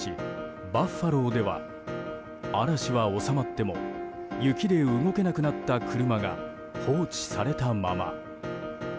バファローでは、嵐は収まっても雪で動けなくなった車が放置されたまま。